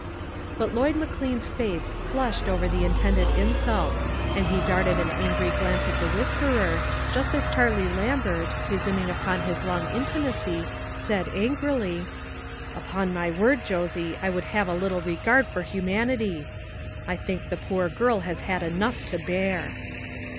But Lloyd McLean's face flushed over the intended insult, and he darted an angry glance at the whisperer, just as Charlie Lam bert, presuming upon his long intimacy, said angrily :" Upon my word, Josie, I would have a little regard for humanity ; I think the poor girl has had enough to bear."